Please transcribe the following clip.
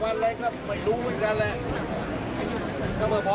ผมพร้อม๕๐๐แล้วมั้ง